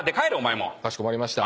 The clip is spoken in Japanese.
かしこまりました。